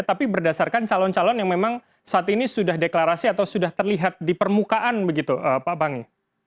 tapi berdasarkan calon calon yang memang saat ini sudah deklarasi atau sudah terlihat di permukaan begitu pak bangi